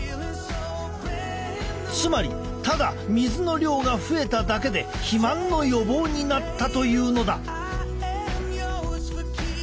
つまりただ水の量が増えただけで肥満の予防になったというのだ。